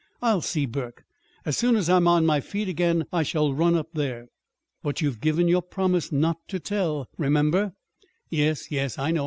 "I'll see Burke. As soon as I'm on my feet again I shall run up there." "But you've given your promise not to tell, remember." "Yes, yes, I know.